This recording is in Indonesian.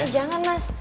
eh jangan mas